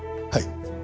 はい。